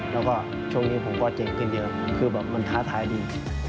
แล้วก็ช่วงนี้ผมก็เจ๋งทีเดียวคือแบบมันท้าทายดี